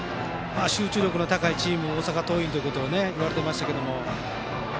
集中力の高いチーム大阪桐蔭だと言われていましたが。